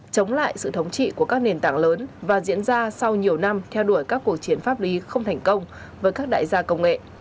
chống lại sự thống trị của các nền tảng lớn và diễn ra sau nhiều năm theo đuổi các cuộc chiến pháp lý không thành công với các đại gia công nghệ